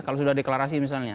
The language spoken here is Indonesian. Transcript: kalau sudah deklarasi misalnya